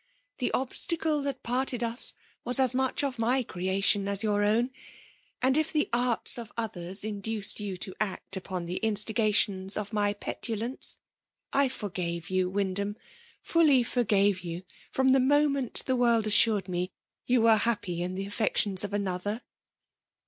The obstacle that parted us was as much of my cceation as your own ; and if the arts of others induced you to act upon the instigations of my petulance, I forgave you, Wyndham^ fully forgave you from the moment the world assured me you were happy in the affections of another.